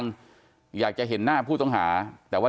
กลุ่มวัยรุ่นกลัวว่าจะไม่ได้รับความเป็นธรรมทางด้านคดีจะคืบหน้า